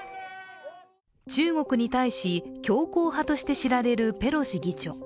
中国に対し強硬派として知られるペロシ議長。